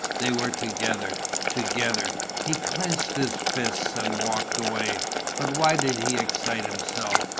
They were together! Together! He clenched his fists and walked away. But why did he excite himself?